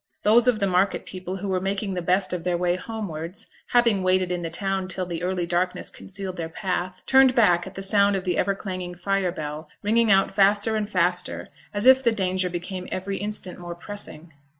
Those of the market people who were making the best of their way homewards, having waited in the town till the early darkness concealed their path, turned back at the sound of the ever clanging fire bell, ringing out faster and faster as if the danger became every instant more pressing.